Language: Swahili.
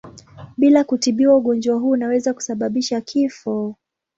Bila kutibiwa ugonjwa huu unaweza kusababisha kifo.